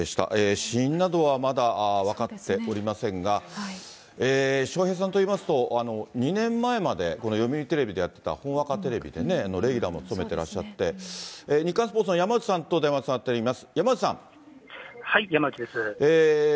死因などはまだ分かっておりませんが、笑瓶さんといいますと、２年前までこの読売テレビでやってたほんわかテレビでね、レギュラーも務めてらっしゃって、日刊スポーツの山内さんと電話がつながっております。